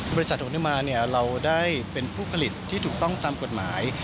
บริษัทโฮนิมานเราได้เป็นผู้ผลิตที่ถูกต้องตามกฎหมาย